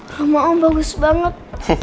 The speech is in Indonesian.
rumah om bagus banget